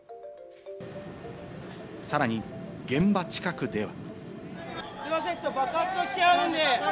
さらに、現場近くでは。